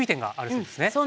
そうなんですね。